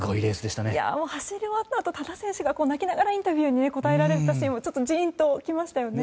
走り終わったあと多田選手が泣きながらインタビューに答えられていたシーンはジーンときましたよね。